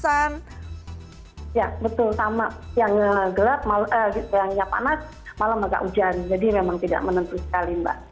ya betul sama yang gelap malah yang panas malah juga gak hujan jadi memang tidak menentu sekali mbak